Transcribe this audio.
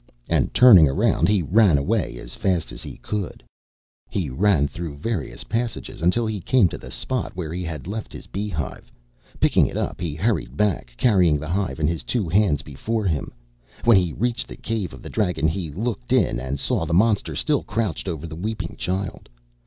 And turning around, he ran away as fast as he could. He ran through various passages until he came to the spot where he had left his bee hive. Picking it up, he hurried back, carrying the hive in his two hands before him. When he reached the cave of the dragon, he looked in and saw the monster still crouched over the weeping child.